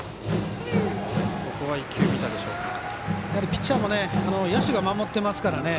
ピッチャーも野手が守ってますからね